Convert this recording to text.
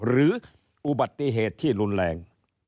หรืออุบัติเหตุที่รุนแรง